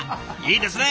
いいですね